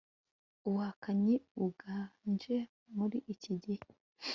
Ubuhakanyi buganje muri iki gihe